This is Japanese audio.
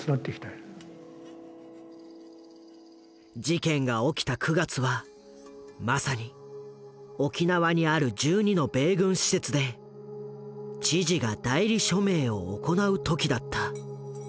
事件が起きた９月はまさに沖縄にある１２の米軍施設で知事が代理署名を行う時だった。